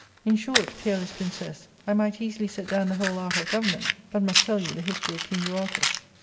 In short, peerless princess, I might easily set down the whole art of government, but must tell you the history of King Euarchus.